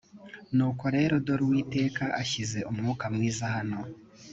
nuko rero dore uwiteka ashyize umwuka mwiza hano